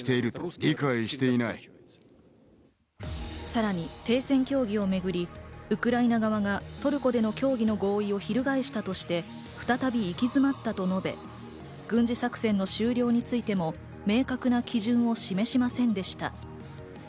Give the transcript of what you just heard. さらに停戦協議をめぐり、ウクライナ側がトルコでの協議の合意を翻したとして、再び行き詰まったと述べ、軍事作戦の終了についても明確な基準を示しませんでした。